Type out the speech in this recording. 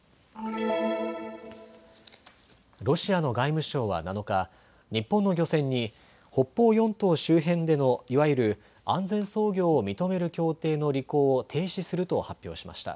ロシアの外務省は７日、日本の漁船に北方四島周辺でのいわゆる安全操業を認める協定の履行を停止すると発表しました。